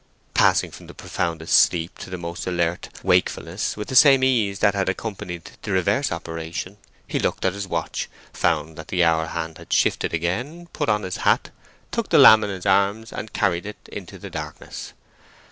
Passing from the profoundest sleep to the most alert wakefulness with the same ease that had accompanied the reverse operation, he looked at his watch, found that the hour hand had shifted again, put on his hat, took the lamb in his arms, and carried it into the darkness.